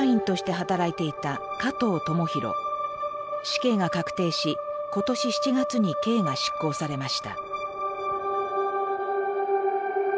死刑が確定し今年７月に刑が執行されました。